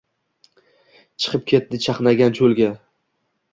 Chiqib ketdi chatnagan cho‘lga.